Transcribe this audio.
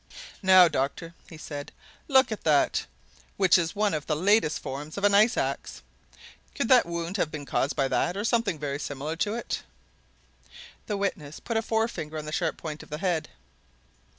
"Now, doctor," he said, "look at that which is one of the latest forms of the ice ax. Could that wound have been caused by that or something very similar to it?" The witness put a forefinger on the sharp point of the head.